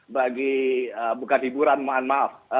bukan hiburan mohon maaf